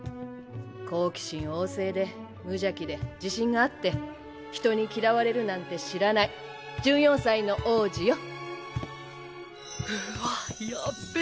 好奇心旺盛で無邪気で自信があって人に嫌われるなんて知らない１４歳の王子よ。